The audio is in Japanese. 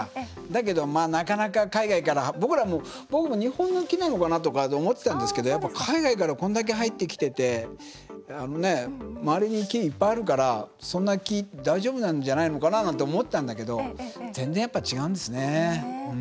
だけど、なかなか海外から僕も日本の木なのかと思ってたんですけど海外からこんだけ入ってきてて周りに木いっぱいあるからそんな木、大丈夫なんじゃないのかって思ったけど全然やっぱ違うんですね。